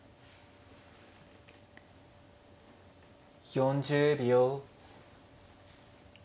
４０秒。